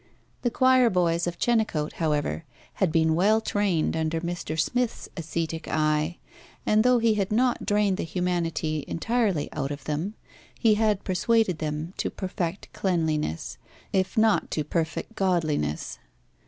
The choir boys of Chenecote, however, had been well trained under Mr. Smith's ascetic eye; and though he had not drained the humanity entirely out of them, he had persuaded them to perfect cleanliness, if not to perfect godliness.